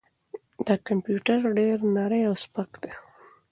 دا کمپیوټر ډېر نری او سپک دی.